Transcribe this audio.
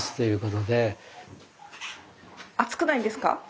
熱くないんですか？